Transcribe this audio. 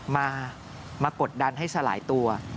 มากดดันให้สลายตัว